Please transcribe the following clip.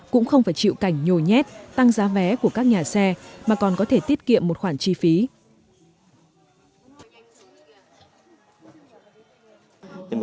cũng không phải chịu cảnh nhồi nhét tăng giá vé của các nhà xe mà còn có thể tiết kiệm một khoản chi phí